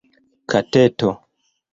kateto